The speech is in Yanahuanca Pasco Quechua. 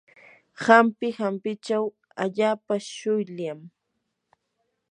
ampi ampichaw allaapa shuylam.